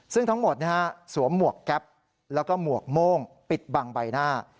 ซึ่งทั้งหมดสวมหมวกแก๊ปแล้วก็หมวกโม่งปิดบังใบหน้า